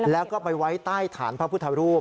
แล้วก็ไปไว้ใต้ฐานพระพุทธรูป